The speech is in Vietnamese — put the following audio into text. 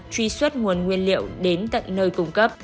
truy xuất nguồn nguyên liệu đến tận nơi cung cấp